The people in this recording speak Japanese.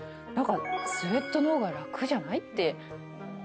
何かスウェットの方が楽じゃない？って。